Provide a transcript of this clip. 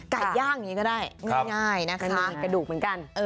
ไก่ย่างอย่างนี้ก็ได้ง่ายนะคะมีกระดูกเหมือนกัน